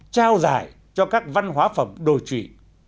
trao giải cho các văn hóa phẩm đồ chủy